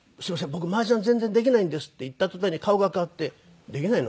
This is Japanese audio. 僕麻雀全然できないんです」って言った途端に顔が変わって「できないの？」